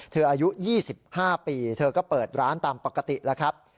เธออายุยี่สิบห้าปีเธอก็เปิดร้านตามปกติแล้วครับ